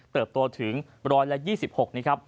เติบโตถึง๑๒๖นี้ครับ